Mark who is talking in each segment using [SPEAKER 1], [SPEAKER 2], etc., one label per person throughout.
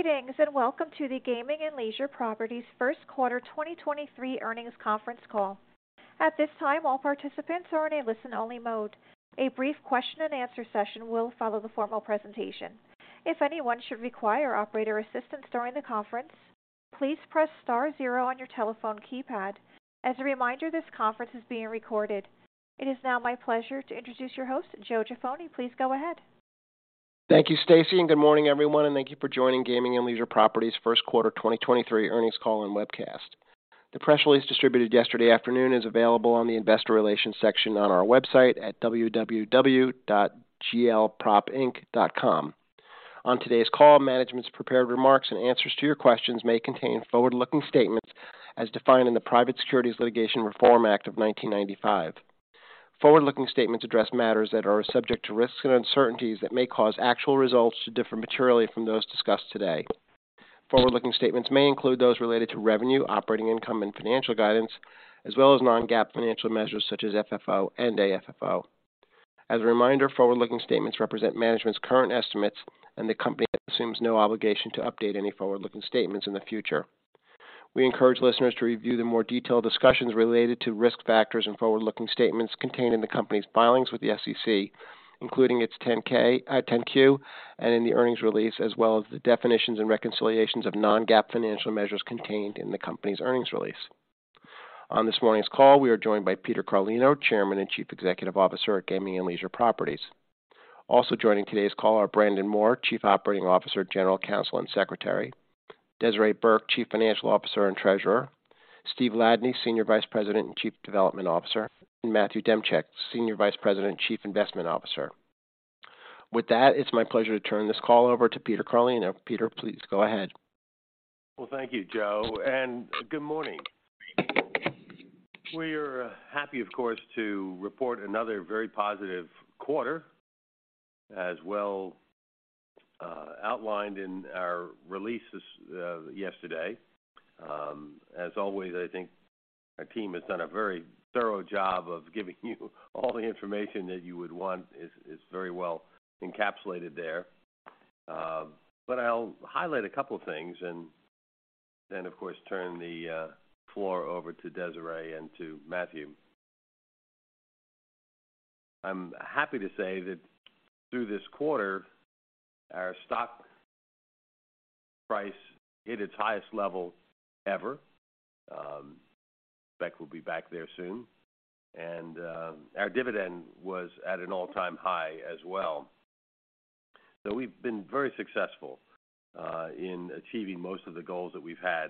[SPEAKER 1] Greetings, welcome to the Gaming and Leisure Properties first quarter 2023 earnings conference call. At this time, all participants are in a listen-only mode. A brief question and answer session will follow the formal presentation. If anyone should require operator assistance during the conference, please press star zero on your telephone keypad. As a reminder, this conference is being recorded. It is now my pleasure to introduce your host, Joe Jaffoni. Please go ahead.
[SPEAKER 2] Thank you, Stacy, good morning, everyone, and thank you for joining Gaming and Leisure Properties first quarter 2023 earnings call and webcast. The press release distributed yesterday afternoon is available on the investor relations section on our website at www.glpropinc.com. On today's call, management's prepared remarks and answers to your questions may contain forward-looking statements as defined in the Private Securities Litigation Reform Act of 1995. Forward-looking statements address matters that are subject to risks and uncertainties that may cause actual results to differ materially from those discussed today. Forward-looking statements may include those related to revenue, operating income, and financial guidance, as well as non-GAAP financial measures such as FFO and AFFO. As a reminder, forward-looking statements represent management's current estimates, the company assumes no obligation to update any forward-looking statements in the future. We encourage listeners to review the more detailed discussions related to risk factors and forward-looking statements contained in the company's filings with the SEC, including its 10-K, 10-Q, and in the earnings release, as well as the definitions and reconciliations of non-GAAP financial measures contained in the company's earnings release. On this morning's call, we are joined by Peter Carlino, Chairman and Chief Executive Officer at Gaming and Leisure Properties. Also joining today's call are Brandon Moore, Chief Operating Officer, General Counsel, and Secretary. Desiree Burke, Chief Financial Officer and Treasurer. Steve Ladany, Senior Vice President and Chief Development Officer. Matthew Demchyk, Senior Vice President and Chief Investment Officer. With that, it's my pleasure to turn this call over to Peter Carlino. Peter, please go ahead.
[SPEAKER 3] Well, thank you, Joe Jaffoni. Good morning. We are happy, of course, to report another very positive quarter as well, outlined in our releases yesterday. As always, I think our team has done a very thorough job of giving you all the information that you would want. It's very well encapsulated there. I'll highlight a couple of things and then, of course, turn the floor over to Desiree Burke and to Matthew Demchyk. I'm happy to say that through this quarter, our stock price hit its highest level ever. Spec will be back there soon. Our dividend was at an all-time high as well. We've been very successful in achieving most of the goals that we've had.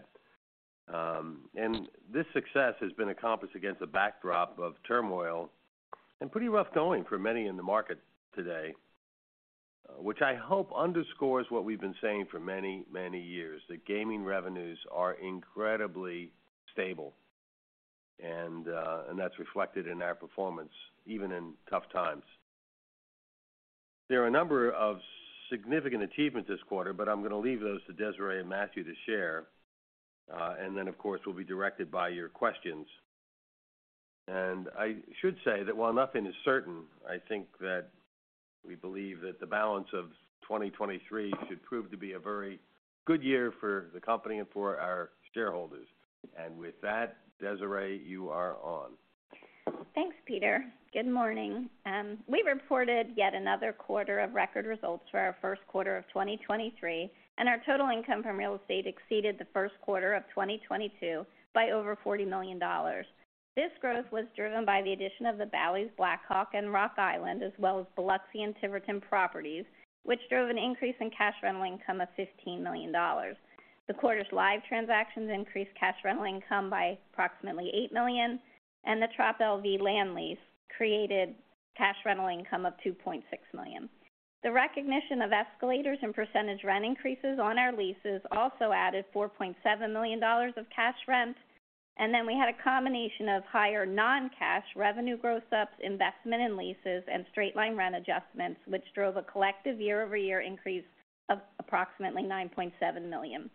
[SPEAKER 3] This success has been accomplished against a backdrop of turmoil and pretty rough going for many in the market today, which I hope underscores what we've been saying for many, many years, that gaming revenues are incredibly stable, and that's reflected in our performance even in tough times. There are a number of significant achievements this quarter, but I'm gonna leave those to Desiree and Matthew to share. Then, of course, we'll be directed by your questions. I should say that while nothing is certain, I think that we believe that the balance of 2023 should prove to be a very good year for the company and for our shareholders. With that, Desiree, you are on.
[SPEAKER 4] Thanks, Peter. Good morning. We reported yet another quarter of record results for our first quarter of 2023. Our total income from real estate exceeded the first quarter of 2022 by over $40 million. This growth was driven by the addition of the Bally's Black Hawk and Rock Island, as well as Biloxi and Tiverton properties, which drove an increase in cash rental income of $15 million. The quarter's Live! transactions increased cash rental income by approximately $8 million, and the TropLV land lease created cash rental income of $2.6 million. The recognition of escalators and percentage rent increases on our leases also added $4.7 million of cash rent. We had a combination of higher non-cash revenue growth ups, investment in leases, and straight-line rent adjustments, which drove a collective year-over-year increase of approximately $9.7 million.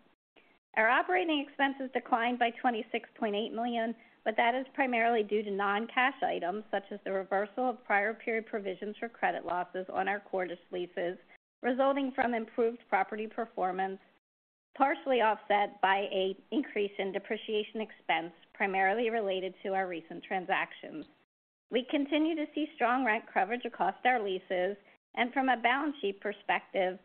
[SPEAKER 4] Our operating expenses declined by $26.8 million, but that is primarily due to non-cash items such as the reversal of prior period provisions for credit losses on our Cordish leases, resulting from improved property performance, partially offset by a increase in depreciation expense, primarily related to our recent transactions. We continue to see strong rent coverage across our leases. From a balance sheet perspective,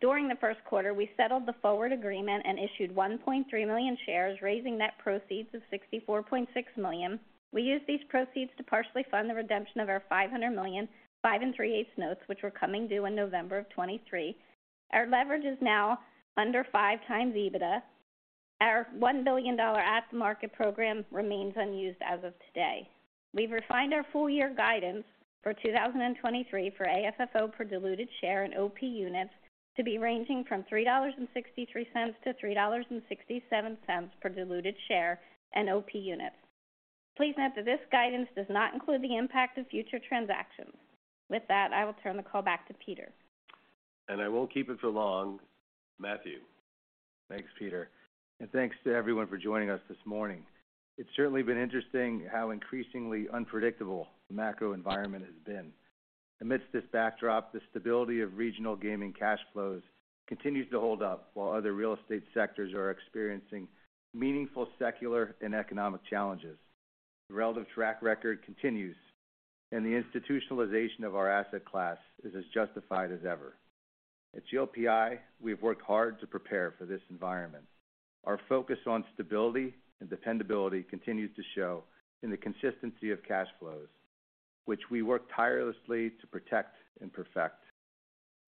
[SPEAKER 4] during the first quarter, we settled the forward agreement and issued 1.3 million shares, raising net proceeds of $64.6 million. We used these proceeds to partially fund the redemption of our $500 million five and three-eighths notes, which were coming due in November of 2023. Our leverage is now under five times EBITDA. Our $1 billion at-the-market program remains unused as of today. We've refined our full year guidance for 2023 for AFFO per diluted share and OP units to be ranging from $3.63-$3.67 per diluted share and OP units. Please note that this guidance does not include the impact of future transactions. With that, I will turn the call back to Peter.
[SPEAKER 3] I won't keep it for long. Matthew.
[SPEAKER 5] Thanks, Peter. Thanks to everyone for joining us this morning. It's certainly been interesting how increasingly unpredictable the macro environment has been. Amidst this backdrop, the stability of regional gaming cash flows continues to hold up while other real estate sectors are experiencing meaningful secular and economic challenges. The relative track record continues. The institutionalization of our asset class is as justified as ever. At GLPI, we've worked hard to prepare for this environment. Our focus on stability and dependability continues to show in the consistency of cash flows, which we work tirelessly to protect and perfect.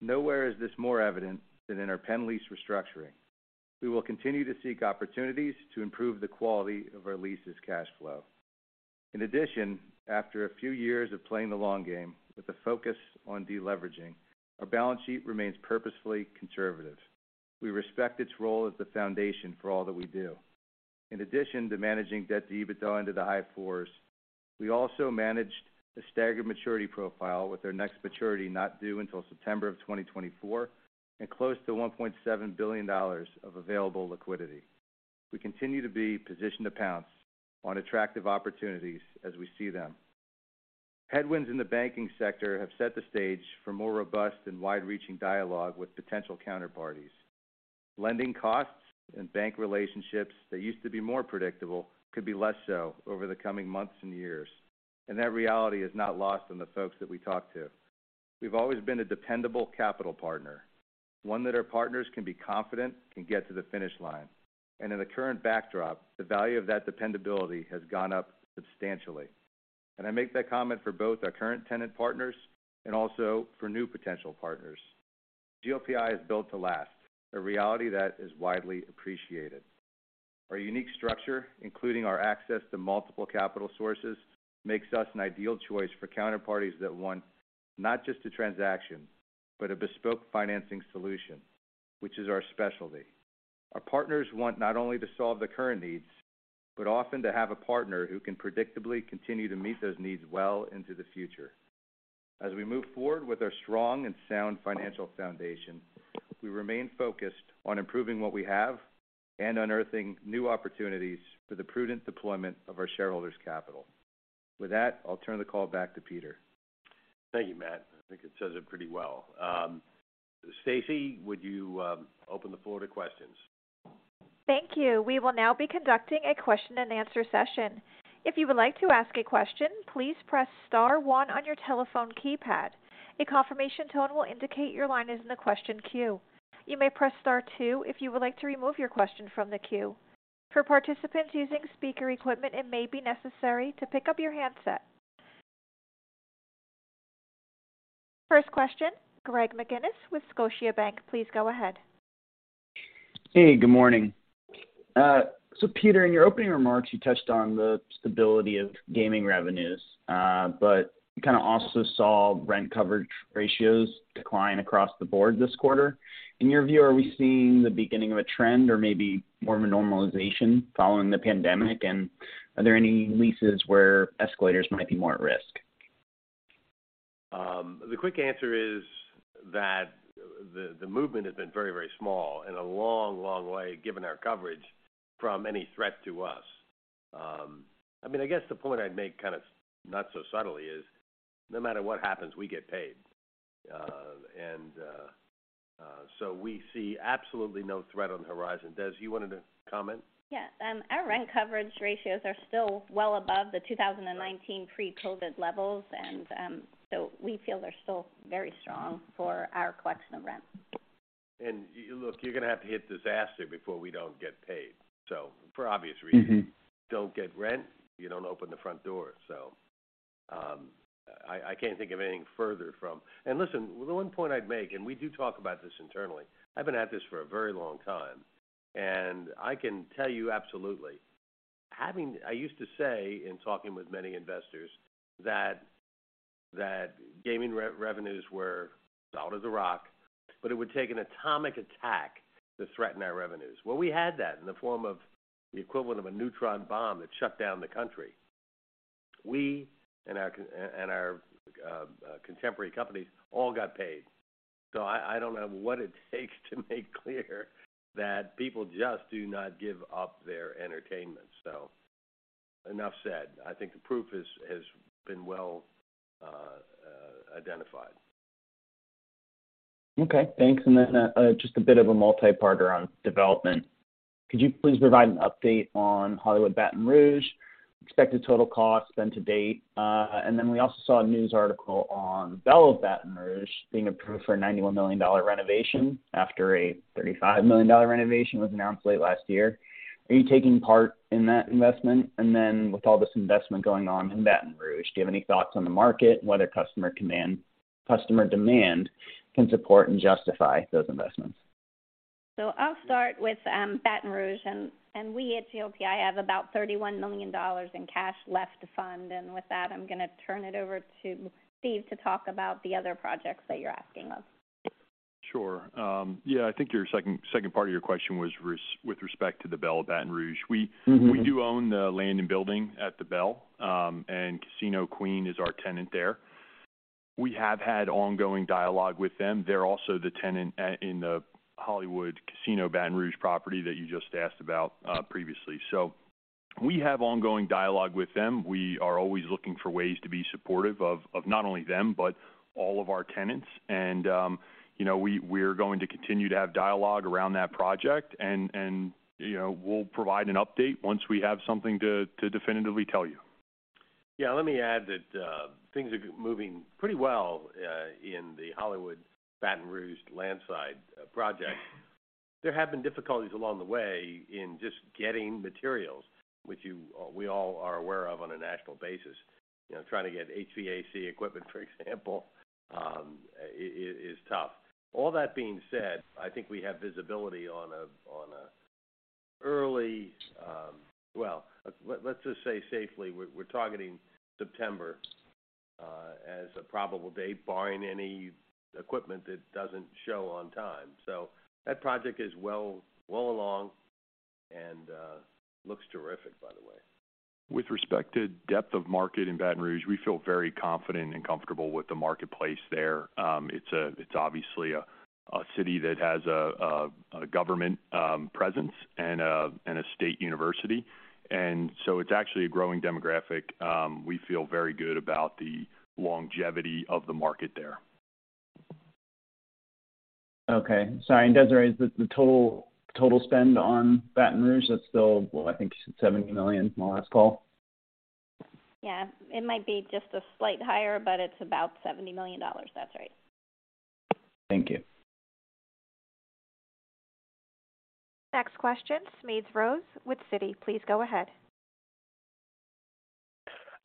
[SPEAKER 5] Nowhere is this more evident than in our Penn lease restructuring. We will continue to seek opportunities to improve the quality of our leases cash flow. In addition, after a few years of playing the long game with a focus on deleveraging, our balance sheet remains purposefully conservative. We respect its role as the foundation for all that we do. In addition to managing debt to EBITDA into the high fours, we also managed a staggered maturity profile with our next maturity not due until September of 2024 and close to $1.7 billion of available liquidity. We continue to be positioned to pounce on attractive opportunities as we see them. Headwinds in the banking sector have set the stage for more robust and wide-reaching dialogue with potential counterparties. Lending costs and bank relationships that used to be more predictable could be less so over the coming months and years, and that reality is not lost on the folks that we talk to. We've always been a dependable capital partner, one that our partners can be confident can get to the finish line. In the current backdrop, the value of that dependability has gone up substantially. I make that comment for both our current tenant partners and also for new potential partners. GLPI is built to last, a reality that is widely appreciated. Our unique structure, including our access to multiple capital sources, makes us an ideal choice for counterparties that want not just a transaction, but a bespoke financing solution, which is our specialty. Our partners want not only to solve the current needs, but often to have a partner who can predictably continue to meet those needs well into the future. As we move forward with our strong and sound financial foundation, we remain focused on improving what we have and unearthing new opportunities for the prudent deployment of our shareholders' capital. With that, I'll turn the call back to Peter.
[SPEAKER 3] Thank you, Matt. I think it says it pretty well. Stacy, would you open the floor to questions?
[SPEAKER 1] Thank you. We will now be conducting a question-and-answer session. If you would like to ask a question, please press star one on your telephone keypad. A confirmation tone will indicate your line is in the question queue. You may press Star two if you would like to remove your question from the queue. For participants using speaker equipment, it may be necessary to pick up your handset. First question, Greg McGinniss with Scotiabank. Please go ahead.
[SPEAKER 6] Hey, good morning. Peter, in your opening remarks, you touched on the stability of gaming revenues, but you kinda also saw rent coverage ratios decline across the board this quarter. In your view, are we seeing the beginning of a trend or maybe more of a normalization following the pandemic? Are there any leases where escalators might be more at risk?
[SPEAKER 3] The quick answer is that the movement has been very, very small in a long, long way, given our coverage from any threat to us. I mean, I guess, the point I'd make kind of not so subtly is no matter what happens, we get paid. We see absolutely no threat on the horizon. Des, you wanted to comment?
[SPEAKER 4] Yes. Our rent coverage ratios are still well above the 2019 pre-COVID levels. We feel they're still very strong for our collection of rent.
[SPEAKER 3] Look, you're gonna have to hit disaster before we don't get paid. For obvious reasons.
[SPEAKER 6] Mm-hmm.
[SPEAKER 3] Don't get rent, you don't open the front door. I can't think of anything further from... Listen, the one point I'd make, and we do talk about this internally, I've been at this for a very long time, and I can tell you absolutely, having I used to say in talking with many investors that gaming revenues were solid as a rock, but it would take an atomic attack to threaten our revenues. Well, we had that in the form of the equivalent of a neutron bomb that shut down the country. We and our contemporary companies all got paid. I don't know what it takes to make clear that people just do not give up their entertainment. Enough said. I think the proof has been well identified.
[SPEAKER 6] Okay, thanks. Just a bit of a multi-parter on development. Could you please provide an update on Hollywood Casino Baton Rouge, expected total cost spent to date? We also saw a news article on Belle of Baton Rouge being approved for a $91 million renovation after a $35 million renovation was announced late last year. Are you taking part in that investment? With all this investment going on in Baton Rouge, do you have any thoughts on the market, whether customer demand can support and justify those investments?
[SPEAKER 4] I'll start with, Baton Rouge, and we at GLPI have about $31 million in cash left to fund. With that, I'm gonna turn it over to Steve to talk about the other projects that you're asking of.
[SPEAKER 7] Sure. I think your second part of your question was with respect to the Belle of Baton Rouge.
[SPEAKER 6] Mm-hmm.
[SPEAKER 7] We do own the land and building at the Belle, and Casino Queen is our tenant there. We have had ongoing dialogue with them. They're also the tenant at, in the Hollywood Casino Baton Rouge property that you just asked about previously. We have ongoing dialogue with them. We are always looking for ways to be supportive of not only them, but all of our tenants. You know, we're going to continue to have dialogue around that project and, you know, we'll provide an update once we have something to definitively tell you.
[SPEAKER 3] Yeah. Let me add that things are moving pretty well in the Hollywood Baton Rouge landside project. There have been difficulties along the way in just getting materials, which we all are aware of on a national basis. You know, trying to get HVAC equipment, for example, is tough. All that being said, I think we have visibility on a early. Well, let's just say safely, we're targeting September as a probable date barring any equipment that doesn't show on time. That project is well along and looks terrific, by the way.
[SPEAKER 7] With respect to depth of market in Baton Rouge, we feel very confident and comfortable with the marketplace there. It's obviously a city that has a government presence and a state university. It's actually a growing demographic. We feel very good about the longevity of the market there.
[SPEAKER 6] Okay. Sorry. Desiree, is the total spend on Baton Rouge, that's still, what, I think $70 million from the last call?
[SPEAKER 4] Yeah. It might be just a slight higher, but it's about $70 million. That's right.
[SPEAKER 6] Thank you.
[SPEAKER 1] Next question, Smedes Rose with Citi. Please go ahead.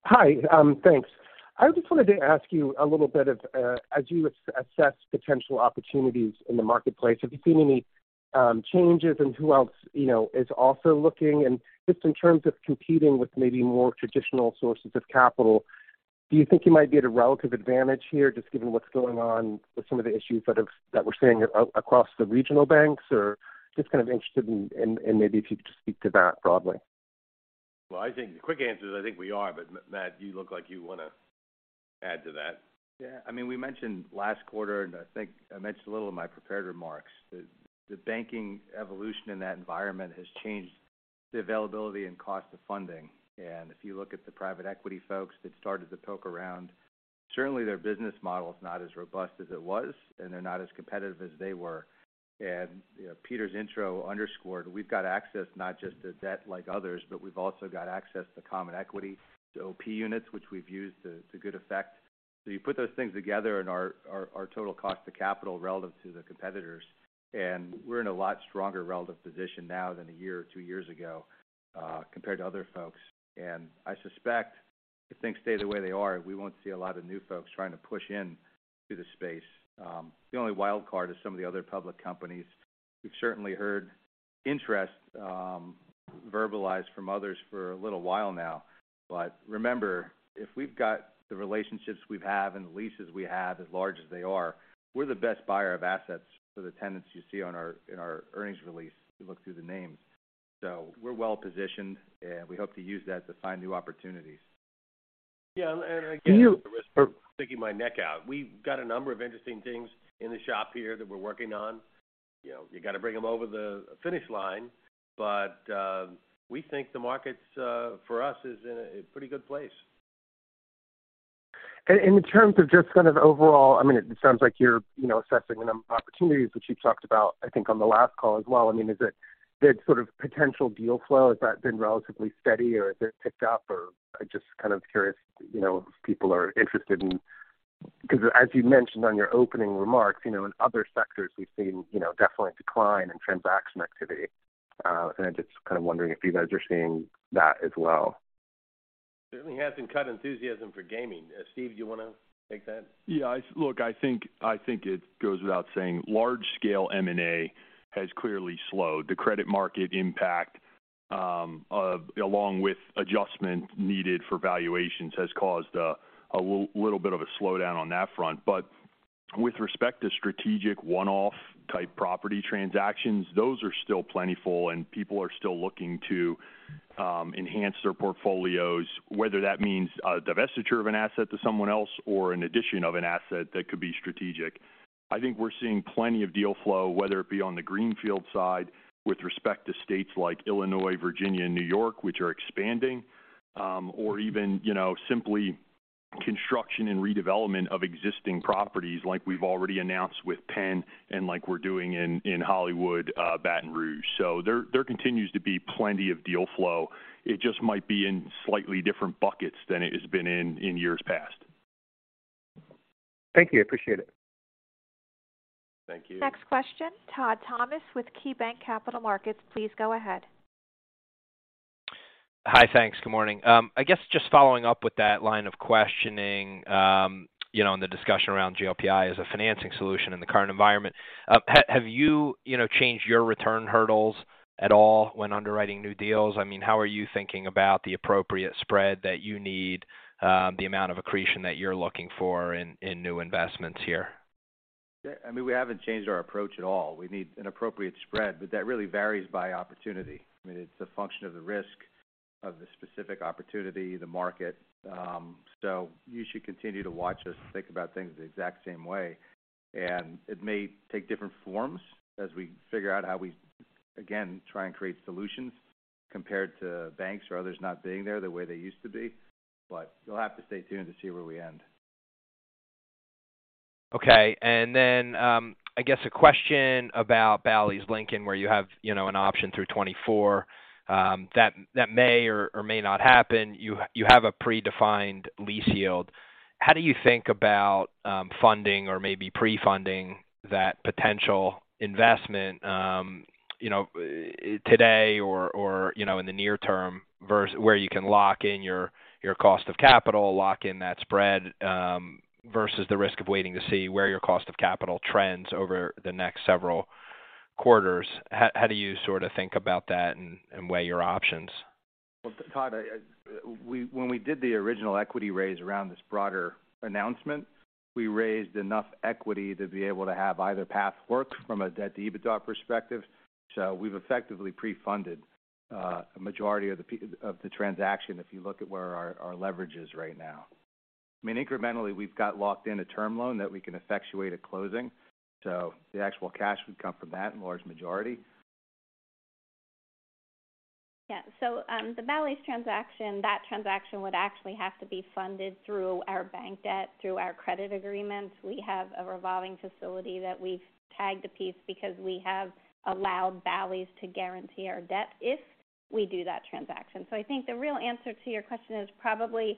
[SPEAKER 8] Hi. thanks. I just wanted to ask you a little bit of, as you assess potential opportunities in the marketplace, have you seen any changes in who else, you know, is also looking? Just in terms of competing with maybe more traditional sources of capital, do you think you might be at a relative advantage here just given what's going on with some of the issues that we're seeing across the regional banks, or just kind of interested in maybe if you could just speak to that broadly?
[SPEAKER 3] Well, I think the quick answer is I think we are, Matt, you look like you wanna add to that.
[SPEAKER 5] Yeah. I mean, we mentioned last quarter, I think I mentioned a little in my prepared remarks, that the banking evolution in that environment has changed the availability and cost of funding. If you look at the private equity folks that started to poke around, certainly their business model is not as robust as it was, and they're not as competitive as they were. You know, Peter's intro underscored, we've got access not just to debt like others, but we've also got access to common equity, to OP units, which we've used to good effect. You put those things together and our total cost of capital relative to the competitors, and we're in a lot stronger relative position now than a year or two years ago compared to other folks. I suspect if things stay the way they are, we won't see a lot of new folks trying to push in to the space. The only wild card is some of the other public companies. We've certainly heard interest verbalized from others for a little while now. Remember, if we've got the relationships we have and the leases we have, as large as they are, we're the best buyer of assets for the tenants you see in our earnings release if you look through the names. We're well-positioned, and we hope to use that to find new opportunities.
[SPEAKER 3] Yeah. Again.
[SPEAKER 8] You-
[SPEAKER 3] At the risk of sticking my neck out, we've got a number of interesting things in the shop here that we're working on. You know, you gotta bring them over the finish line. We think the market's for us, is in a pretty good place.
[SPEAKER 8] In terms of just kind of overall, I mean, it sounds like you're, you know, assessing a number of opportunities, which you talked about, I think, on the last call as well. I mean, is that sort of potential deal flow, has that been relatively steady or has it picked up, or? I'm just kind of curious, you know, if people are interested in. As you mentioned on your opening remarks, you know, in other sectors we've seen, you know, definite decline in transaction activity. I'm just kind of wondering if you guys are seeing that as well?
[SPEAKER 3] Certainly hasn't cut enthusiasm for gaming. Steve, do you wanna take that?
[SPEAKER 7] Yeah. Look, I think it goes without saying large scale M&A has clearly slowed. The credit market impact, along with adjustment needed for valuations has caused a little bit of a slowdown on that front. With respect to strategic one-off type property transactions, those are still plentiful and people are still looking to enhance their portfolios, whether that means a divestiture of an asset to someone else or an addition of an asset that could be strategic. I think we're seeing plenty of deal flow, whether it be on the greenfield side with respect to states like Illinois, Virginia, and New York, which are expanding, or even, you know, simply construction and redevelopment of existing properties like we've already announced with Penn and like we're doing in Hollywood, Baton Rouge. There continues to be plenty of deal flow. It just might be in slightly different buckets than it has been in years past.
[SPEAKER 8] Thank you. Appreciate it.
[SPEAKER 7] Thank you.
[SPEAKER 1] Next question, Todd Thomas with KeyBanc Capital Markets. Please go ahead.
[SPEAKER 9] Hi. Thanks. Good morning. I guess just following up with that line of questioning, you know, and the discussion around GLPI as a financing solution in the current environment. Have you know, changed your return hurdles at all when underwriting new deals? I mean, how are you thinking about the appropriate spread that you need, the amount of accretion that you're looking for in new investments here?
[SPEAKER 10] I mean, we haven't changed our approach at all. We need an appropriate spread, that really varies by opportunity. I mean, it's a function of the risk of the specific opportunity, the market. You should continue to watch us think about things the exact same way. It may take different forms as we figure out how we, again, try and create solutions compared to banks or others not being there the way they used to be. You'll have to stay tuned to see where we end.
[SPEAKER 9] Okay. Then, I guess a question about Bally's Lincoln, where you have, you know, an option through 2024, that may or may not happen. You have a predefined lease yield. How do you think about funding or maybe pre-funding that potential investment, you know, today or, you know, in the near term where you can lock in your cost of capital, lock in that spread, versus the risk of waiting to see where your cost of capital trends over the next several quarters? How do you sort of think about that and weigh your options?
[SPEAKER 10] Well, Todd, I when we did the original equity raise around this broader announcement, we raised enough equity to be able to have either path work from a debt-to-EBITDA perspective. We've effectively pre-funded a majority of the transaction if you look at where our leverage is right now. I mean, incrementally, we've got locked in a term loan that we can effectuate at closing, the actual cash would come from that in large majority.
[SPEAKER 4] The Bally's transaction, that transaction would actually have to be funded through our bank debt, through our credit agreements. We have a revolving facility that we've tagged a piece because we have allowed Bally's to guarantee our debt if we do that transaction. I think the real answer to your question is probably,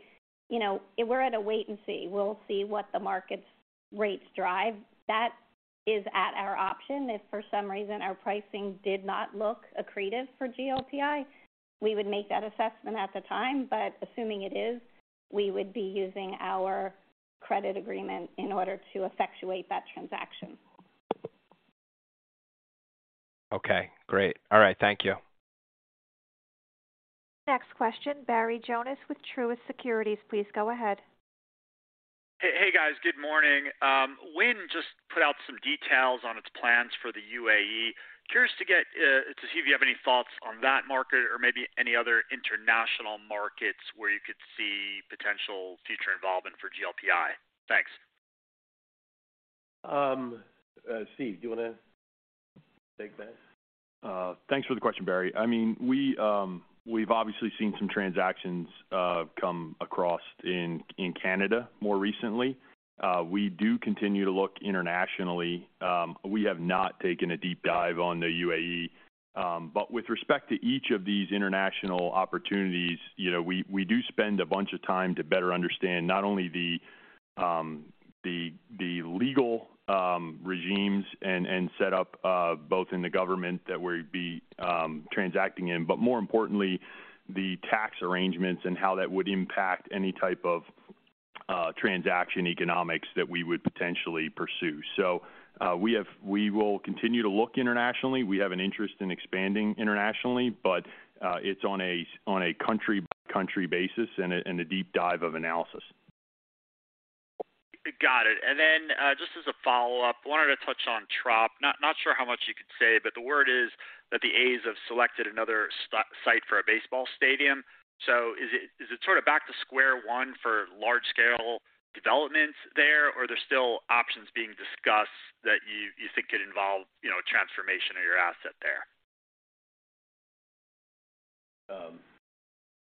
[SPEAKER 4] you know, we're at a wait and see. We'll see what the markets rates drive. That is at our option. If for some reason our pricing did not look accretive for GLPI, we would make that assessment at the time. Assuming it is, we would be using our credit agreement in order to effectuate that transaction.
[SPEAKER 9] Okay, great. All right, thank you.
[SPEAKER 1] Next question, Barry Jonas with Truist Securities. Please go ahead.
[SPEAKER 11] Hey, hey, guys. Good morning. Wynn just put out some details on its plans for the UAE. Curious to get to see if you have any thoughts on that market or maybe any other international markets where you could see potential future involvement for GLPI. Thanks.
[SPEAKER 3] Steve, do you wanna take that?
[SPEAKER 7] Thanks for the question, Barry. I mean, we've obviously seen some transactions come across in Canada more recently. We do continue to look internationally. We have not taken a deep dive on the UAE. With respect to each of these international opportunities, you know, we do spend a bunch of time to better understand not only the legal regimes and set up both in the government that we'd be transacting in, but more importantly, the tax arrangements and how that would impact any type of transaction economics that we would potentially pursue. We will continue to look internationally. We have an interest in expanding internationally, but it's on a country-by-country basis and a deep dive of analysis.
[SPEAKER 11] Got it. Just as a follow-up, wanted to touch on Trop. Not sure how much you could say, but the word is that the A's have selected another site for a baseball stadium. Is it sort of back to square one for large scale developments there, or are there still options being discussed that you think could involve, you know, transformation of your asset there?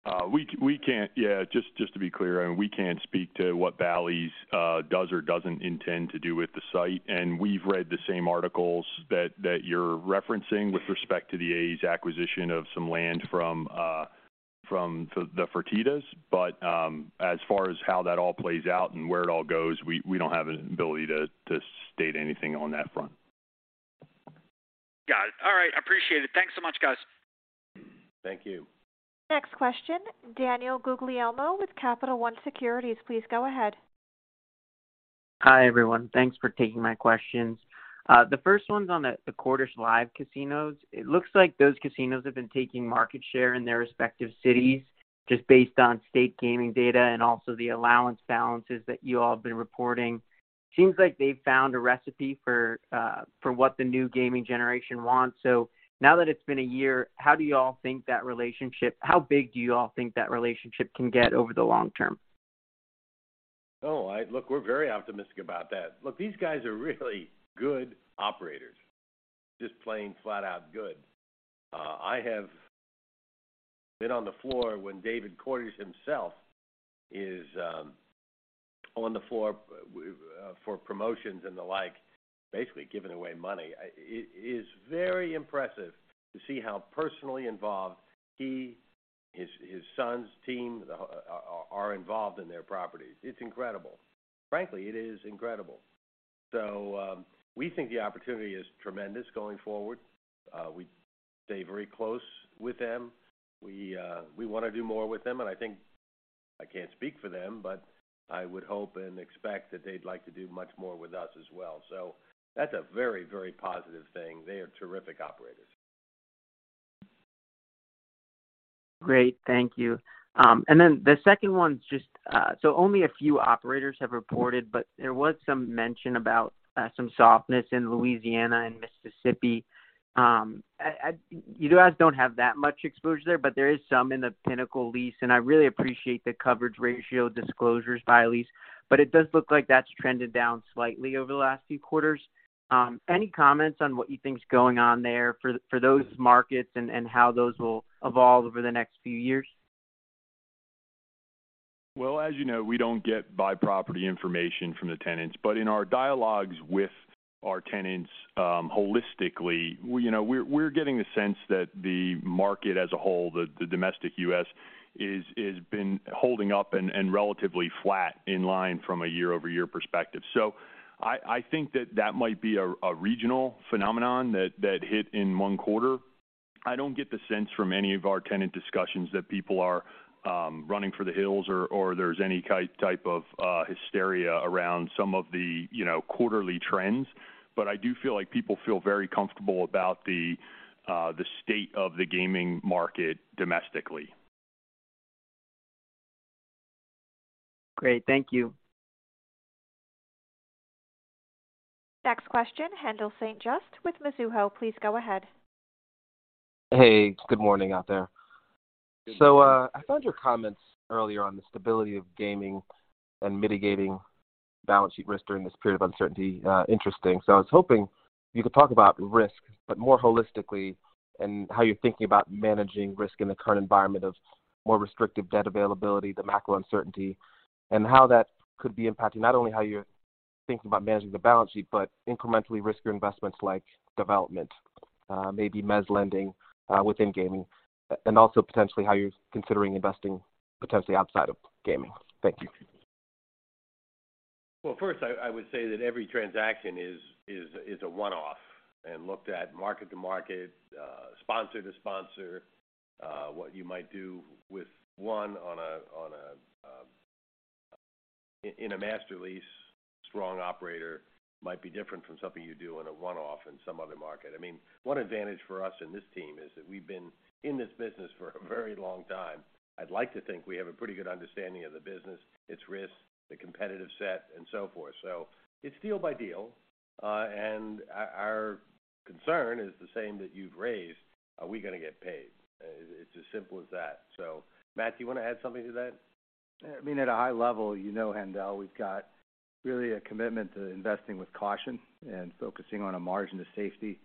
[SPEAKER 7] Yeah, just to be clear, we can't speak to what Bally's does or doesn't intend to do with the site. We've read the same articles that you're referencing with respect to the A's acquisition of some land from the Fertittas. As far as how that all plays out and where it all goes, we don't have an ability to state anything on that front.
[SPEAKER 11] Got it. All right, I appreciate it. Thanks so much, guys.
[SPEAKER 7] Thank you.
[SPEAKER 1] Next question, Daniel Guglielmo with Capital One Securities. Please go ahead.
[SPEAKER 12] Hi, everyone. Thanks for taking my questions. The first one's on the Cordish Live! Casinos. It looks like those casinos have been taking market share in their respective cities just based on state gaming data and also the allowance balances that you all have been reporting. Seems like they've found a recipe for what the new gaming generation wants. Now that it's been a year, how big do you all think that relationship can get over the long term?
[SPEAKER 3] I look, we're very optimistic about that. Look, these guys are really good operators. Just plain flat out good. I have been on the floor when David Cordish himself is on the floor for promotions and the like, basically giving away money. It's very impressive to see how personally involved he, his sons, team are involved in their properties. It's incredible. Frankly, it is incredible. We think the opportunity is tremendous going forward. We stay very close with them. We wanna do more with them, and I think... I can't speak for them, but I would hope and expect that they'd like to do much more with us as well. That's a very, very positive thing. They are terrific operators.
[SPEAKER 12] Great. Thank you. The second one's just, so only a few operators have reported, but there was some mention about some softness in Louisiana and Mississippi. I You guys don't have that much exposure there, but there is some in the Pinnacle lease. I really appreciate the coverage ratio disclosures by lease, but it does look like that's trended down slightly over the last few quarters. Any comments on what you think is going on there for those markets and how those will evolve over the next few years?
[SPEAKER 7] Well, as you know, we don't get by property information from the tenants. In our dialogues with our tenants, you know, holistically, we're getting the sense that the market as a whole, the domestic US is been holding up and relatively flat in line from a year-over-year perspective. I think that might be a regional phenomenon that hit in one quarter. I don't get the sense from any of our tenant discussions that people are running for the hills or there's any type of hysteria around some of the, you know, quarterly trends. I do feel like people feel very comfortable about the state of the gaming market domestically.
[SPEAKER 12] Great. Thank you.
[SPEAKER 1] Next question, Haendel St. Juste with Mizuho. Please go ahead.
[SPEAKER 13] Hey, good morning out there.
[SPEAKER 3] Good morning.
[SPEAKER 13] I found your comments earlier on the stability of gaming and mitigating balance sheet risk during this period of uncertainty, interesting. I was hoping you could talk about risk, but more holistically and how you're thinking about managing risk in the current environment of more restrictive debt availability, the macro uncertainty, and how that could be impacting not only how you're thinking about managing the balance sheet, but incrementally risk your investments like development, maybe mezz lending, within gaming. And also potentially how you're considering investing potentially outside of gaming. Thank you.
[SPEAKER 3] Well, first, I would say that every transaction is a one-off and looked at market to market, sponsor to sponsor. What you might do with one on a master lease, strong operator might be different from something you do on a one-off in some other market. I mean, one advantage for us in this team is that we've been in this business for a very long time. I'd like to think we have a pretty good understanding of the business, its risks, the competitive set, and so forth. It's deal by deal. And our concern is the same that you've raised. Are we gonna get paid? It's as simple as that. Matt, do you wanna add something to that?
[SPEAKER 5] I mean, at a high level, you know Haendel, we've got really a commitment to investing with caution and focusing on a margin of safety.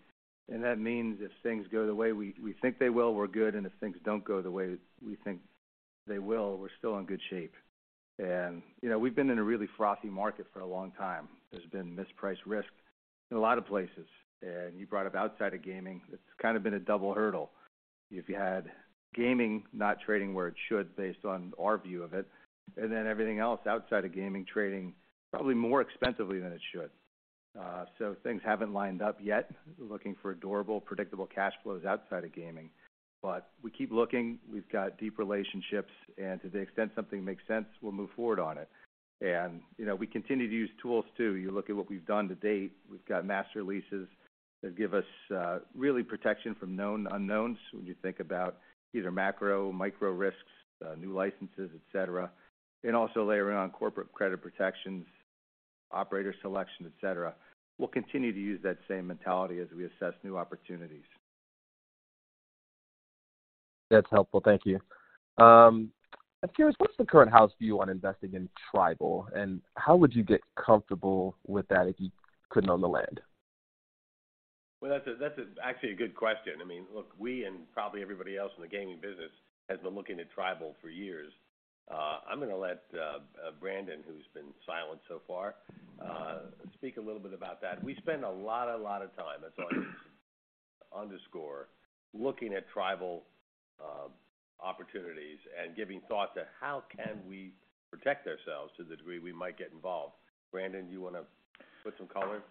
[SPEAKER 5] That means if things go the way we think they will, we're good, and if things don't go the way we think they will, we're still in good shape. You know, we've been in a really frothy market for a long time. There's been mispriced risk in a lot of places. You brought up outside of gaming, it's kind of been a double hurdle. If you had gaming not trading where it should based on our view of it, and then everything else outside of gaming trading probably more expensively than it should. Things haven't lined up yet. We're looking for durable, predictable cash flows outside of gaming. We keep looking, we've got deep relationships, and to the extent something makes sense, we'll move forward on it. You know, we continue to use tools too. You look at what we've done to date, we've got master leases that give us really protection from known unknowns when you think about either macro, micro risks, new licenses, et cetera, and also layer on corporate credit protections, operator selection, et cetera. We'll continue to use that same mentality as we assess new opportunities.
[SPEAKER 13] That's helpful. Thank you. I'm curious, what's the current house view on investing in tribal, and how would you get comfortable with that if you couldn't own the land?
[SPEAKER 3] Well, that's actually a good question. I mean, look, we and probably everybody else in the gaming business has been looking at tribal for years. I'm gonna let Brandon, who's been silent so far, speak a little bit about that. We spend a lot of time as underscore looking at tribal opportunities and giving thought to how can we protect ourselves to the degree we might get involved. Brandon, do you wanna put some color?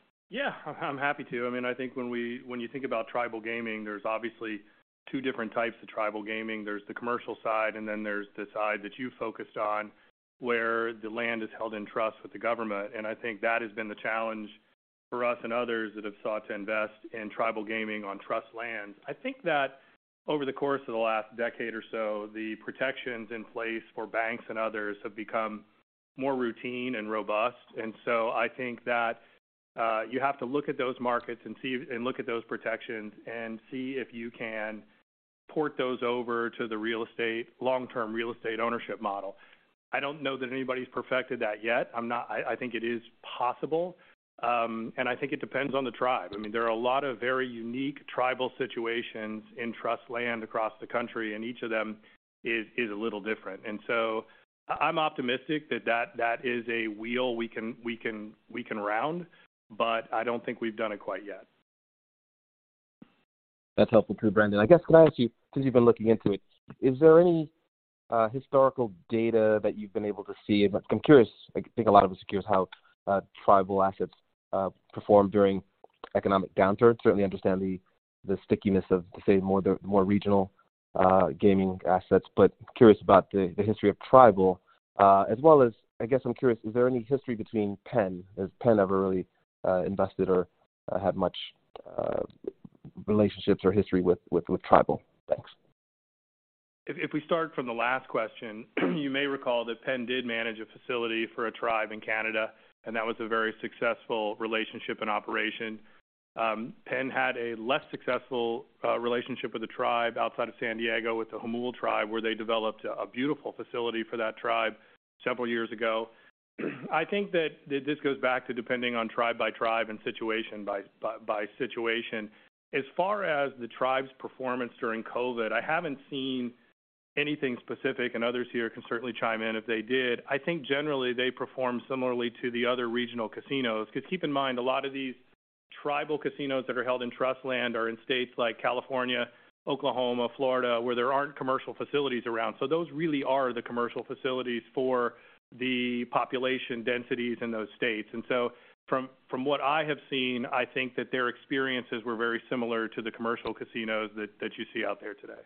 [SPEAKER 10] I'm happy to. I mean, I think when you think about tribal gaming, there's obviously two different types of tribal gaming. There's the commercial side, then there's the side that you focused on, where the land is held in trust with the government. I think that has been the challenge for us and others that have sought to invest in tribal gaming on trust land. I think that over the course of the last decade or so, the protections in place for banks and others have become more routine and robust. I think that you have to look at those markets and look at those protections and see if you can port those over to the long-term real estate ownership model. I don't know that anybody's perfected that yet. I think it is possible, and I think it depends on the tribe. I mean, there are a lot of very unique tribal situations in trust land across the country, and each of them is a little different. I'm optimistic that is a wheel we can round, but I don't think we've done it quite yet.
[SPEAKER 13] That's helpful too, Brandon. I guess, can I ask you, since you've been looking into it, is there any historical data that you've been able to see? I'm curious, I think a lot of us are curious how tribal assets perform during economic downturn. Certainly understand the stickiness of, say, more the, more regional, gaming assets, but curious about the history of tribal, as well as, I guess I'm curious, is there any history between Penn? Has Penn ever really invested or. relationships or history with tribal banks.
[SPEAKER 10] If we start from the last question, you may recall that Penn did manage a facility for a tribe in Canada, and that was a very successful relationship and operation. Penn had a less successful relationship with the tribe outside of San Diego with the Jamul tribe, where they developed a beautiful facility for that tribe several years ago. I think that this goes back to depending on tribe by tribe and situation by situation. As far as the tribe's performance during COVID, I haven't seen anything specific, and others here can certainly chime in if they did. I think generally they perform similarly to the other regional casinos. Because keep in mind, a lot of these tribal casinos that are held in trust land are in states like California, Oklahoma, Florida, where there aren't commercial facilities around. Those really are the commercial facilities for the population densities in those states. From what I have seen, I think that their experiences were very similar to the commercial casinos that you see out there today.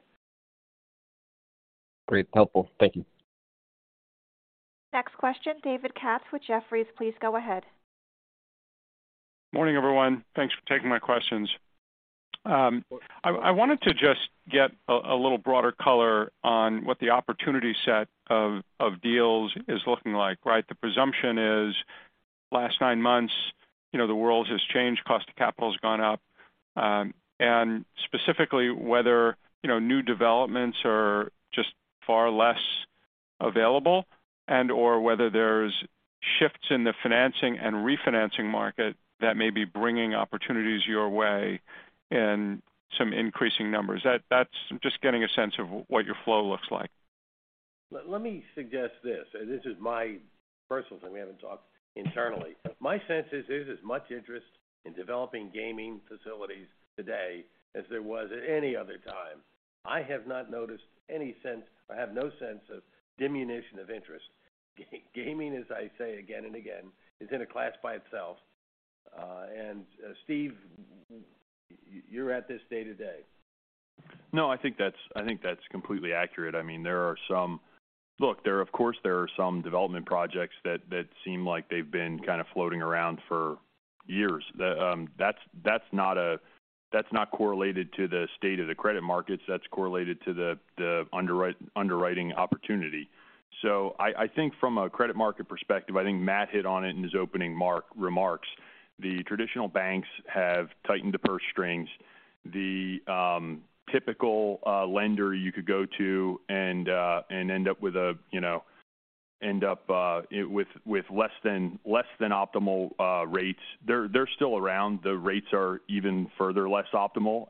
[SPEAKER 13] Great. Helpful. Thank you.
[SPEAKER 1] Next question, David Katz with Jefferies. Please go ahead.
[SPEAKER 14] Morning, everyone. Thanks for taking my questions. I wanted to just get a little broader color on what the opportunity set of deals is looking like, right? The presumption is last nine months, you know, the world has changed, cost of capital has gone up. Specifically, whether, you know, new developments are just far less available and/or whether there's shifts in the financing and refinancing market that may be bringing opportunities your way in some increasing numbers. That's just getting a sense of what your flow looks like.
[SPEAKER 3] Let me suggest this. This is my personal thing. We haven't talked internally. My sense is there's as much interest in developing gaming facilities today as there was at any other time. I have not noticed any sense. I have no sense of diminution of interest. Gaming, as I say again and again, is in a class by itself. Steve, you're at this day-to-day.
[SPEAKER 7] I think that's completely accurate. I mean, there are some. Look, of course, there are some development projects that seem like they've been kind of floating around for years. That's not correlated to the state of the credit markets. That's correlated to the underwriting opportunity. I think from a credit market perspective, I think Matt hit on it in his opening remarks. The traditional banks have tightened the purse strings. Typical lender you could go to and end up with a, you know, end up with less than optimal rates, they're still around. The rates are even further less optimal.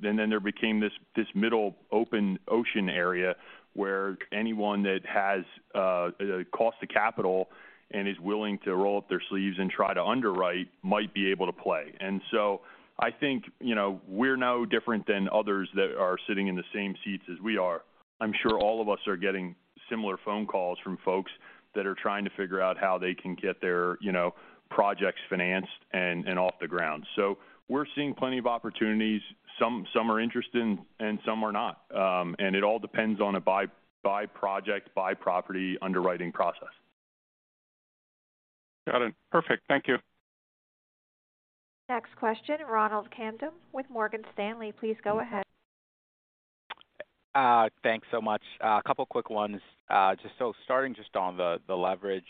[SPEAKER 7] There became this middle open ocean area where anyone that has a cost of capital and is willing to roll up their sleeves and try to underwrite might be able to play. I think, you know, we're no different than others that are sitting in the same seats as we are. I'm sure all of us are getting similar phone calls from folks that are trying to figure out how they can get their, you know, projects financed and off the ground. We're seeing plenty of opportunities. Some are interesting and some are not. It all depends on a by project, by property underwriting process.
[SPEAKER 14] Got it. Perfect. Thank you.
[SPEAKER 1] Next question, Ronald Kamdem with Morgan Stanley. Please go ahead.
[SPEAKER 15] Thanks so much. A couple quick ones. Starting just on the leverage.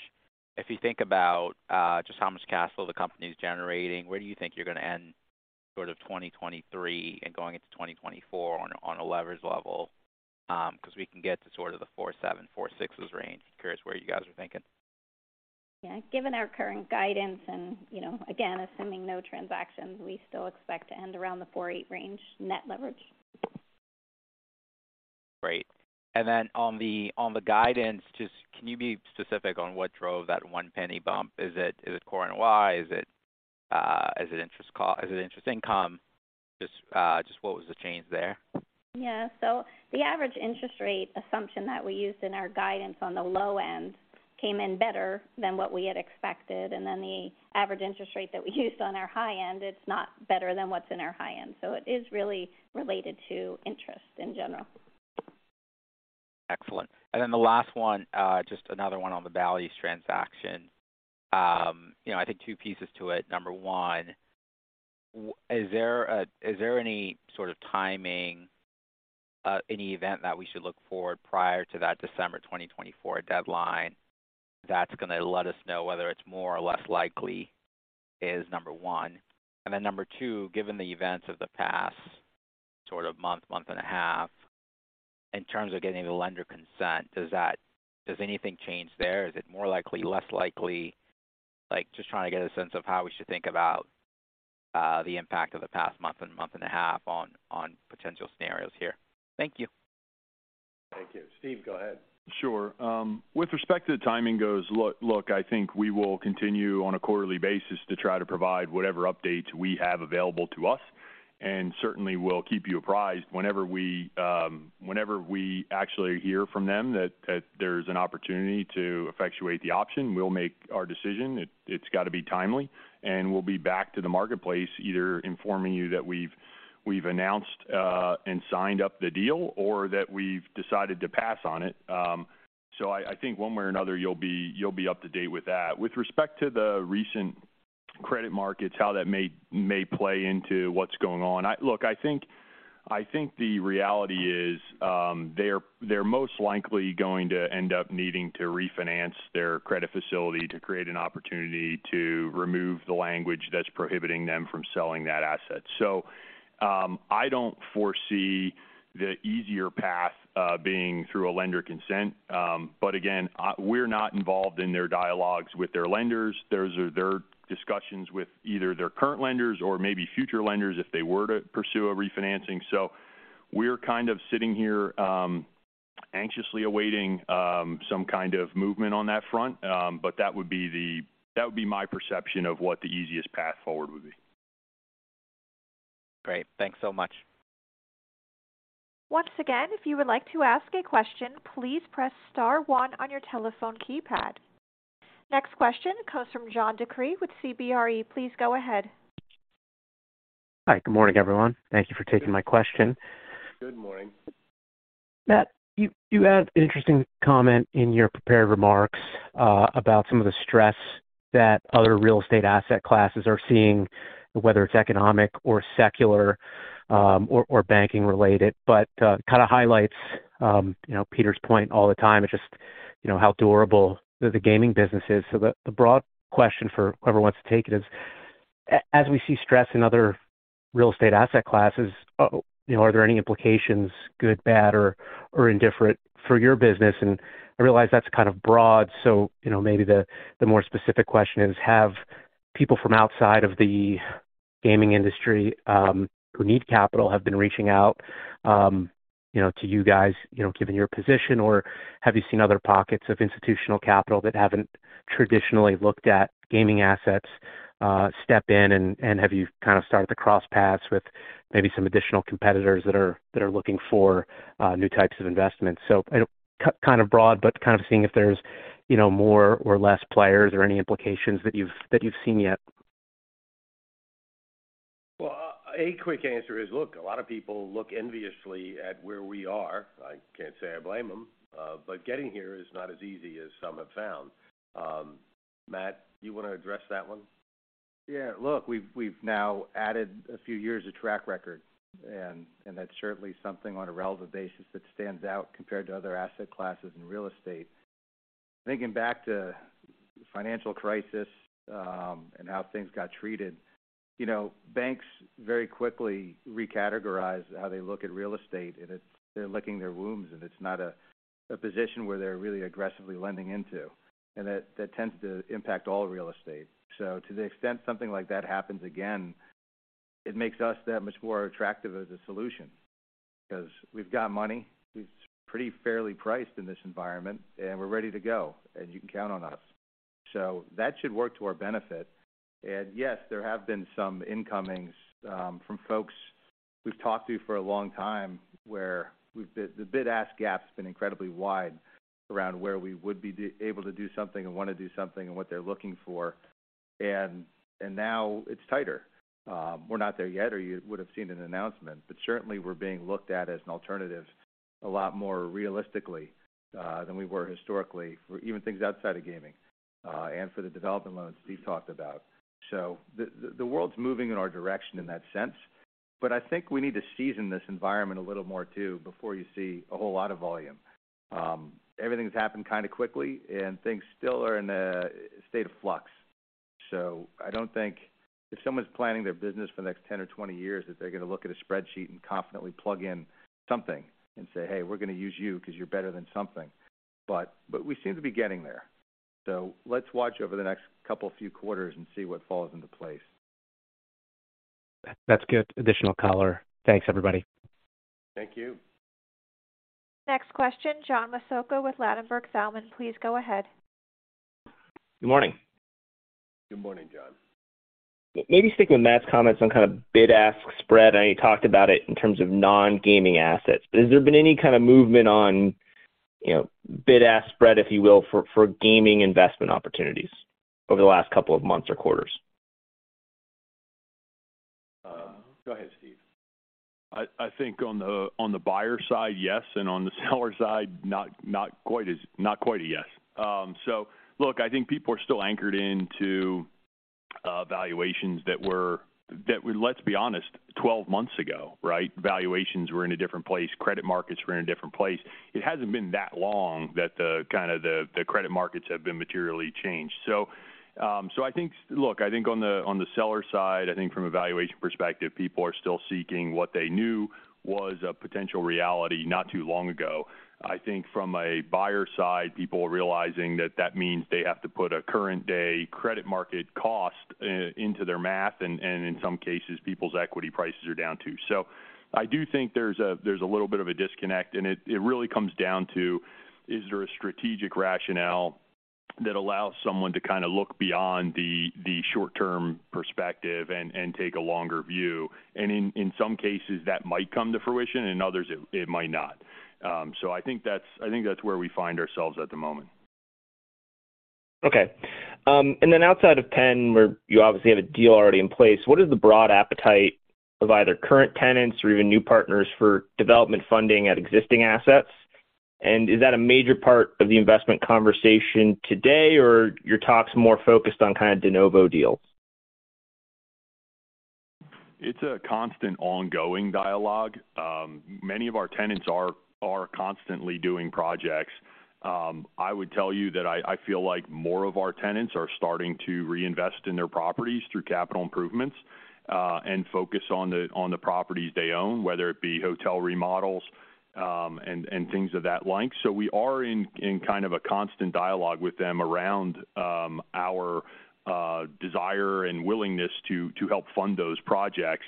[SPEAKER 15] If you think about just how much cash flow the company is generating, where do you think you're gonna end sort of 2023 and going into 2024 on a leverage level? Because we can get to sort of the 4.7, 4.6s range. Curious where you guys are thinking.
[SPEAKER 4] Given our current guidance and, you know, again, assuming no transactions, we still expect to end around the 4.8 range net leverage.
[SPEAKER 15] Great. Then on the guidance, just can you be specific on what drove that one penny bump? Is it core NY? Is it interest income? Just what was the change there?
[SPEAKER 4] Yeah. The average interest rate assumption that we used in our guidance on the low end came in better than what we had expected. The average interest rate that we used on our high end, it's not better than what's in our high end. It is really related to interest in general.
[SPEAKER 15] Excellent. The last one, just another one on the Bally's transaction. You know, I think two pieces to it. Number one, is there any sort of timing, any event that we should look for prior to that December 2024 deadline that's gonna let us know whether it's more or less likely is Number one? Number two, given the events of the past sort of month and a half, in terms of getting the lender consent, does anything change there? Is it more likely, less likely? Like, just trying to get a sense of how we should think about the impact of the past month and a half on potential scenarios here. Thank you.
[SPEAKER 3] Thank you. Steve, go ahead.
[SPEAKER 7] Sure. With respect to the timing goes, look, I think we will continue on a quarterly basis to try to provide whatever updates we have available to us. Certainly, we'll keep you apprised whenever we, whenever we actually hear from them that there's an opportunity to effectuate the option, we'll make our decision. It's got to be timely, and we'll be back to the marketplace either informing you that we've announced and signed up the deal or that we've decided to pass on it. I think one way or another, you'll be up to date with that. With respect to the recent credit markets, how that may play into what's going on. Look, I think the reality is, they're most likely going to end up needing to refinance their credit facility to create an opportunity to remove the language that's prohibiting them from selling that asset. I don't foresee the easier path being through a lender consent. Again, we're not involved in their dialogues with their lenders. Those are their discussions with either their current lenders or maybe future lenders if they were to pursue a refinancing. We're kind of sitting here, anxiously awaiting some kind of movement on that front. That would be my perception of what the easiest path forward would be.
[SPEAKER 15] Great. Thanks so much.
[SPEAKER 1] Once again, if you would like to ask a question, please press star one on your telephone keypad. Next question comes from John DeCree with CBRE. Please go ahead.
[SPEAKER 16] Hi. Good morning, everyone. Thank you for taking my question.
[SPEAKER 3] Good morning.
[SPEAKER 16] Matt, you had an interesting comment in your prepared remarks about some of the stress that other real estate asset classes are seeing, whether it's economic or secular, or banking related, kind of highlights, you know, Peter's point all the time is just, you know, how durable the gaming business is. The broad question for whoever wants to take it is, as we see stress in other real estate asset classes, you know, are there any implications, good, bad, or indifferent for your business? I realize that's kind of broad, so, you know, maybe the more specific question is, have people from outside of the gaming industry, who need capital have been reaching out, you know, to you guys, you know, given your position, or have you seen other pockets of institutional capital that haven't traditionally looked at gaming assets, step in and have you kind of started to cross paths with maybe some additional competitors that are looking for new types of investments? Kind of broad, but kind of seeing if there's, you know, more or less players or any implications that you've seen yet.
[SPEAKER 3] A quick answer is, look, a lot of people look enviously at where we are. I can't say I blame them, but getting here is not as easy as some have found. Matt, do you wanna address that one?
[SPEAKER 5] Yeah. Look, we've now added a few years of track record, and that's certainly something on a relative basis that stands out compared to other asset classes in real estate. Thinking back to the financial crisis, how things got treated, you know, banks very quickly recategorized how they look at real estate, and they're licking their wounds, and it's not a position where they're really aggressively lending into. That tends to impact all real estate. To the extent something like that happens again, it makes us that much more attractive as a solution because we've got money, it's pretty fairly priced in this environment, and we're ready to go, and you can count on us. That should work to our benefit. Yes, there have been some incomings from folks we've talked to for a long time, where the bid-ask gap has been incredibly wide around where we would be able to do something and want to do something and what they're looking for. Now it's tighter. We're not there yet, or you would have seen an announcement, but certainly we're being looked at as an alternative a lot more realistically than we were historically for even things outside of gaming and for the development loans Steve talked about. The world's moving in our direction in that sense. I think we need to season this environment a little more, too, before you see a whole lot of volume. Everything's happened kinda quickly and things still are in a state of flux. I don't think if someone's planning their business for the next 10 or 20 years, that they're gonna look at a spreadsheet and confidently plug in something and say, "Hey, we're gonna use you 'cause you're better than something." But we seem to be getting there. Let's watch over the next couple, few quarters and see what falls into place.
[SPEAKER 16] That's good additional color. Thanks, everybody.
[SPEAKER 3] Thank you.
[SPEAKER 1] Next question, John Massocca with Ladenburg Thalmann. Please go ahead.
[SPEAKER 17] Good morning.
[SPEAKER 3] Good morning, John.
[SPEAKER 17] Maybe sticking with Matt's comments on kind of bid-ask spread. I know you talked about it in terms of non-gaming assets. Has there been any kind of movement on, you know, bid-ask spread, if you will, for gaming investment opportunities over the last couple of months or quarters?
[SPEAKER 3] Go ahead, Steve.
[SPEAKER 7] I think on the buyer side, yes, and on the seller side, not quite a yes. Look, I think people are still anchored into valuations that were, let's be honest, 12 months ago, right? Valuations were in a different place, credit markets were in a different place. It hasn't been that long that the credit markets have been materially changed. Look, I think on the seller side, I think from a valuation perspective, people are still seeking what they knew was a potential reality not too long ago. I think from a buyer side, people are realizing that that means they have to put a current day credit market cost into their math and in some cases, people's equity prices are down too. I do think there's a little bit of a disconnect, and it really comes down to, is there a strategic rationale that allows someone to kinda look beyond the short-term perspective and take a longer view? In some cases, that might come to fruition, in others it might not. I think that's where we find ourselves at the moment.
[SPEAKER 17] Okay. Outside of Penn, where you obviously have a deal already in place, what is the broad appetite of either current tenants or even new partners for development funding at existing assets? Is that a major part of the investment conversation today or your talk's more focused on kinda de novo deals?
[SPEAKER 7] It's a constant ongoing dialogue. Many of our tenants are constantly doing projects. I would tell you that I feel like more of our tenants are starting to reinvest in their properties through capital improvements and focus on the properties they own, whether it be hotel remodels and things of that length. We are in kind of a constant dialogue with them around our desire and willingness to help fund those projects.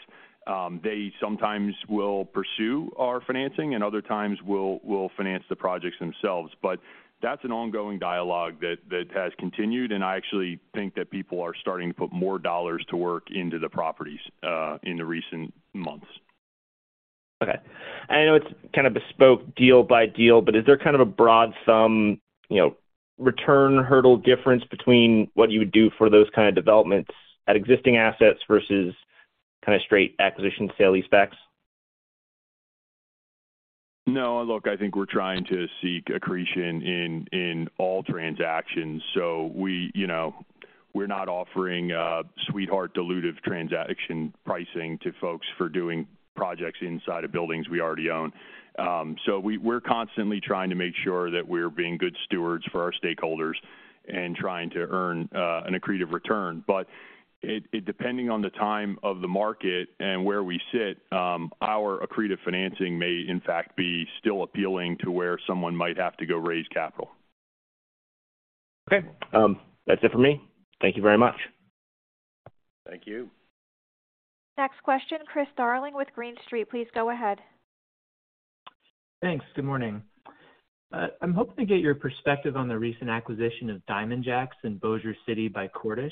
[SPEAKER 7] They sometimes will pursue our financing and other times will finance the projects themselves. That's an ongoing dialogue that has continued, and I actually think that people are starting to put more dollars to work into the properties in the recent months.
[SPEAKER 17] Okay. I know it's kind of bespoke deal by deal, but is there kind of a broad thumb, you know, return hurdle difference between what you would do for those kind of developments at existing assets versus kind of straight acquisition sale leasebacks?
[SPEAKER 7] No. Look, I think we're trying to seek accretion in all transactions. We, you know, we're not offering a sweetheart dilutive transaction pricing to folks for doing projects inside of buildings we already own. We're constantly trying to make sure that we're being good stewards for our stakeholders and trying to earn an accretive return. It depending on the time of the market and where we sit, our accretive financing may in fact be still appealing to where someone might have to go raise capital.
[SPEAKER 17] Okay. That's it for me. Thank you very much.
[SPEAKER 3] Thank you.
[SPEAKER 1] Next question, Chris Darling with Green Street. Please go ahead.
[SPEAKER 18] Thanks. Good morning. I'm hoping to get your perspective on the recent acquisition of Diamond Jacks in Bossier City by Cordish.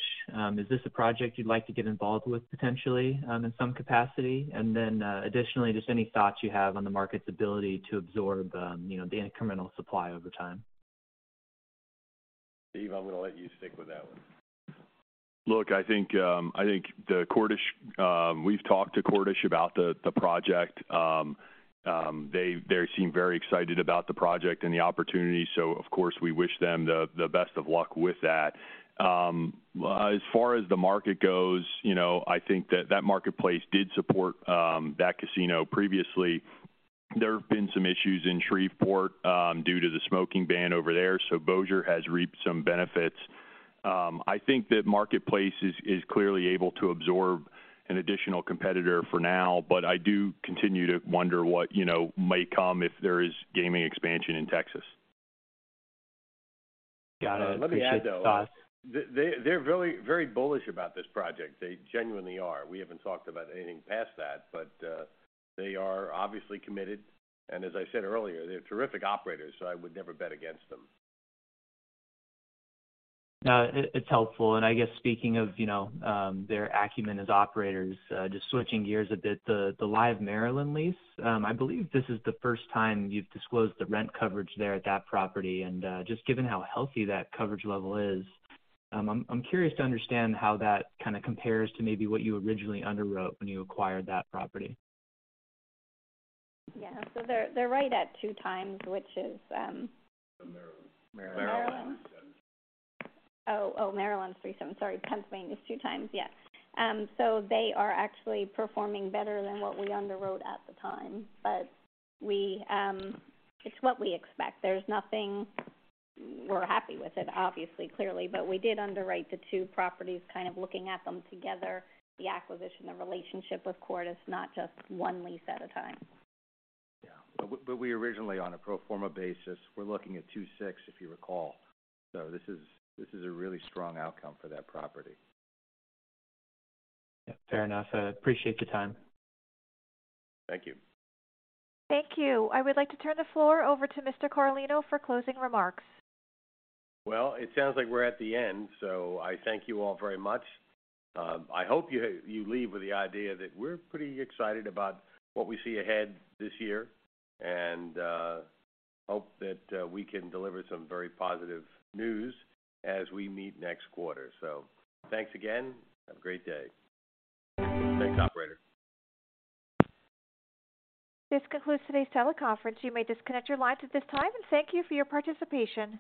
[SPEAKER 18] Is this a project you'd like to get involved with potentially, in some capacity? Additionally, just any thoughts you have on the market's ability to absorb, you know, the incremental supply over time.
[SPEAKER 3] Steve, I'm gonna let you stick with that one.
[SPEAKER 7] I think the Cordish, we've talked to Cordish about the project. They seem very excited about the project and the opportunity. Of course we wish them the best of luck with that. As far as the market goes, you know, I think that marketplace did support that casino previously. There have been some issues in Shreveport due to the smoking ban over there. Bossier has reaped some benefits. I think that marketplace is clearly able to absorb an additional competitor for now. I do continue to wonder what, you know, may come if there is gaming expansion in Texas.
[SPEAKER 18] Got it. Appreciate the thoughts.
[SPEAKER 3] Let me add, though. They're very, very bullish about this project. They genuinely are. We haven't talked about anything past that, but they are obviously committed. As I said earlier, they're terrific operators, so I would never bet against them.
[SPEAKER 18] No, it's helpful. I guess speaking of, you know, their acumen as operators, just switching gears a bit, the Live! Maryland lease, I believe this is the first time you've disclosed the rent coverage there at that property. Just given how healthy that coverage level is, I'm curious to understand how that kind of compares to maybe what you originally underwrote when you acquired that property.
[SPEAKER 4] Yeah. they're right at two times, which is.
[SPEAKER 3] The Maryland.
[SPEAKER 7] Maryland.
[SPEAKER 4] Maryland. Maryland's three times. Sorry. Pennsylvania is two times. Yes. They are actually performing better than what we underwrote at the time. It's what we expect. There's nothing... We're happy with it, obviously, clearly. We did underwrite the two properties kind of looking at them together, the acquisition, the relationship with Cordish, not just one lease at a time.
[SPEAKER 5] We originally, on a pro forma basis, were looking at 2.6, if you recall. This is a really strong outcome for that property.
[SPEAKER 18] Yeah. Fair enough. I appreciate the time.
[SPEAKER 3] Thank you.
[SPEAKER 1] Thank you. I would like to turn the floor over to Mr. Carlino for closing remarks.
[SPEAKER 3] It sounds like we're at the end, so I thank you all very much. I hope you leave with the idea that we're pretty excited about what we see ahead this year, and hope that we can deliver some very positive news as we meet next quarter. Thanks again. Have a great day. Thanks, operator.
[SPEAKER 1] This concludes today's teleconference. You may disconnect your lines at this time. Thank you for your participation.